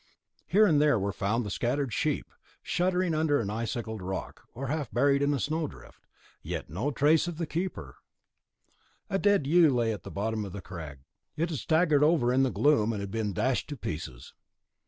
Here and there were found the scattered sheep, shuddering under an icicled rock, or half buried in a snow drift. No trace yet of the keeper. A dead ewe lay at the bottom of a crag; it had staggered over in the gloom, and had been dashed to pieces.